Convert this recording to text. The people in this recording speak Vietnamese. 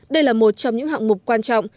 đây là một trong những hạng mục quan trọng